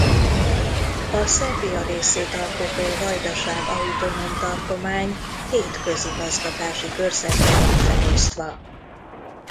A Szerbia részét alkotó Vajdaság Autonóm Tartomány hét közigazgatási körzetre van felosztva.